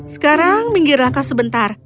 sekarang minggirlah kau sebentar